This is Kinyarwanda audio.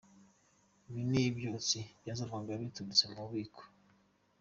Ibi ni ibyotsi byazamukaga biturutse mu bubiko.